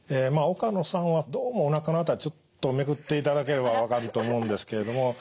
岡野さんはどうもおなかの辺りちょっとめくっていただければ分かると思うんですけれども。